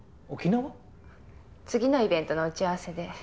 次のイベントの打ち合わせで。